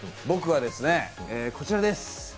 僕はこちらです。